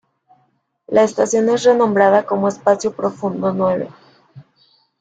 La estación es renombrada como Espacio Profundo Nueve.